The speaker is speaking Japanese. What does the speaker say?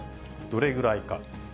どれぐらいか。